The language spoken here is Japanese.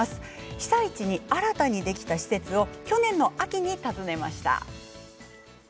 被災地に新たにできた施設を去年の秋に訪ねました。